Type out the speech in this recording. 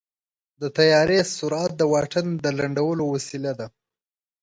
د طیارې سرعت د واټن د لنډولو وسیله ده.